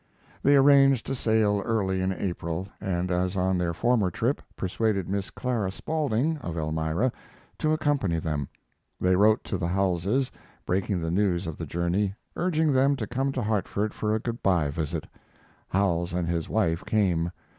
They arranged to sail early in April, and, as on their former trip, persuaded Miss Clara Spaulding, of Elmira, to accompany them. They wrote to the Howellses, breaking the news of the journey, urging them to come to Hartford for a good by visit. Howells and his wife came.